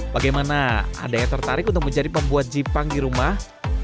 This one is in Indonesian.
bagaimana ada yang tertarik untuk menjadi pembuat jipang di rumah